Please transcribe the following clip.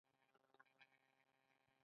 آیا د ایران سمندري ځواک په خلیج کې نه دی؟